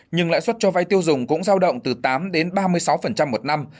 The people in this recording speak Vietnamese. nhưng lãi suất cho vay tiêu dùng cũng giao động từ tám đến ba mươi sáu một năm